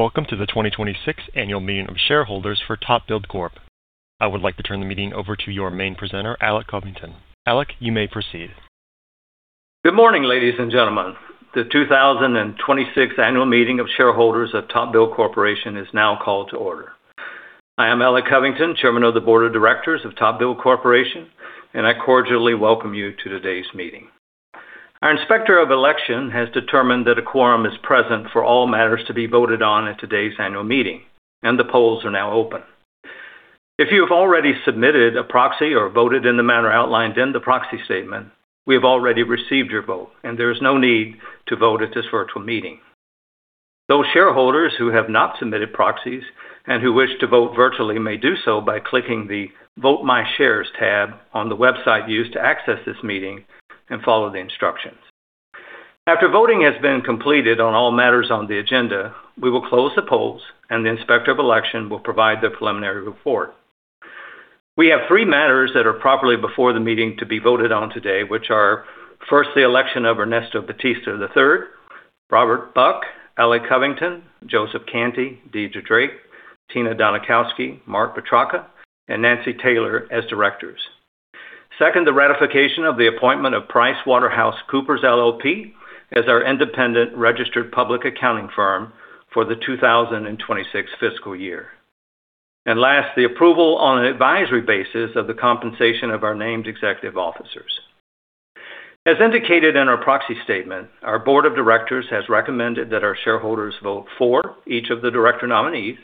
Welcome to the 2026 annual meeting of shareholders for TopBuild Corp. I would like to turn the meeting over to your main presenter, Alec Covington. Alec, you may proceed. Good morning, ladies and gentlemen. The 2026th annual meeting of shareholders of TopBuild Corporation is now called to order. I am Alec Covington, Chairman of the Board of Directors of TopBuild Corporation, and I cordially welcome you to today's meeting. Our inspector of election has determined that a quorum is present for all matters to be voted on at today's annual meeting. The polls are now open. If you have already submitted a proxy or voted in the manner outlined in the proxy statement, we have already received your vote and there is no need to vote at this virtual meeting. Those shareholders who have not submitted proxies and who wish to vote virtually may do so by clicking the Vote My Shares tab on the website used to access this meeting and follow the instructions. After voting has been completed on all matters on the agenda, we will close the polls, and the inspector of election will provide the preliminary report. We have three matters that are properly before the meeting to be voted on today, which are, first, the election of Ernesto Bautista III, Robert Buck, Alec Covington, Joseph Cantie, Deirdre Drake, Tina Donikowski, Mark Petrarca, and Nancy Taylor as directors. Second, the ratification of the appointment of PricewaterhouseCoopers LLP as our independent registered public accounting firm for the 2026 fiscal year. Last, the approval on an advisory basis of the compensation of our named executive officers. As indicated in our proxy statement, our Board of Directors has recommended that our shareholders vote for each of the director nominees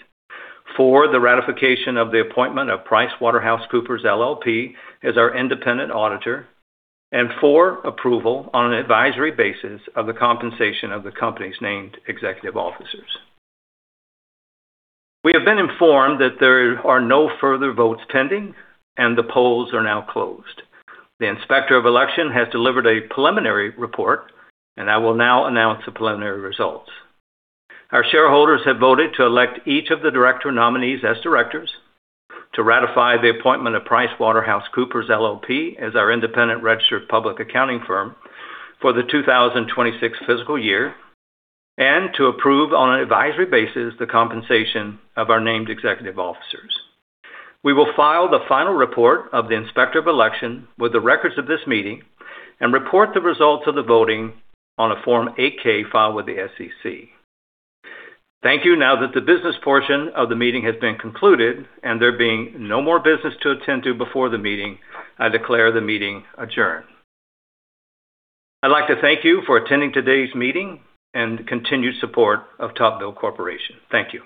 for the ratification of the appointment of PricewaterhouseCoopers LLP as our independent auditor and for approval on an advisory basis of the compensation of the company's named executive officers. We have been informed that there are no further votes pending and the polls are now closed. The inspector of election has delivered a preliminary report and I will now announce the preliminary results. Our shareholders have voted to elect each of the director nominees as directors, to ratify the appointment of PricewaterhouseCoopers LLP as our independent registered public accounting firm for the 2026 fiscal year, and to approve, on an advisory basis, the compensation of our named executive officers. We will file the final report of the inspector of election with the records of this meeting and report the results of the voting on a Form 8-K filed with the SEC. Thank you. Now that the business portion of the meeting has been concluded and there being no more business to attend to before the meeting, I declare the meeting adjourned. I'd like to thank you for attending today's meeting and continued support of TopBuild Corporation. Thank you.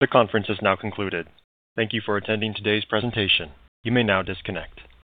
The conference has now concluded. Thank you for attending today's presentation. You may now disconnect.